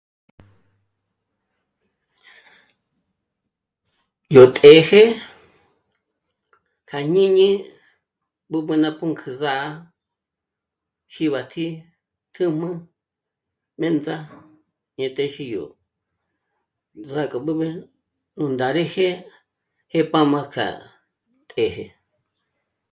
Yó těje kja jñíni b'üb'ü ná punk'ü sà'a xíbatji chū̀m'ū ndéndza dyä̀t'ä xídyó, ndzàkja b'üb'ü 'ùndáreje 'é pa m'á kjá'a těje